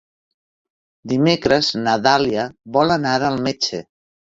Dimecres na Dàlia vol anar al metge.